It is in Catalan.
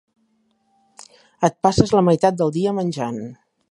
Et passes la meitat del dia menjant.